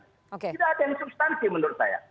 tidak ada yang substansi menurut saya